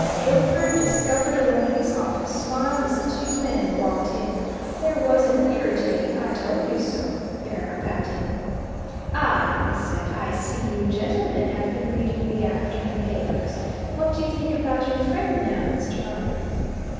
Drillford, discovered alone in his office, smiled as the two men walked in there was an irritating I told you so air about him. "Ah!" he said. "I see you gentlemen have been reading the afternoon papers! What do you think about your friend now, Mr. Viner?"